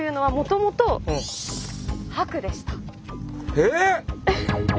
えっ！？